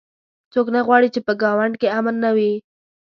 څوک نه غواړي چې په ګاونډ کې امن نه وي